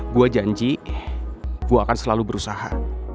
gue janji gue akan selalu berusaha